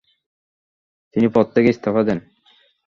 তিনি পদ থেকে ইস্তফা দেন।